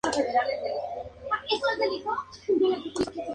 Regresó a la docencia durante dos años.